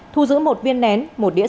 thu giữ một viên nén